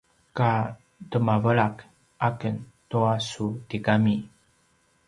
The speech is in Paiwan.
ka temavelak aken tua su tigami